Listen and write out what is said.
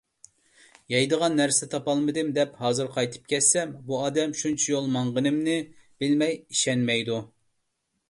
يەيدىغان نەرسە تاپالمىدىم، دەپ ھازىر قايتىپ كەتسەم، بۇ ئادەم شۇنچە يول ماڭغىنىمنى بىلمەي ئىشەنمەيدۇ.